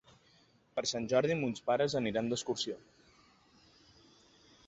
Per Sant Jordi mons pares aniran d'excursió.